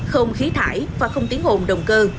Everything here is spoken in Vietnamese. không khí thải và không tiếng hồn động cơ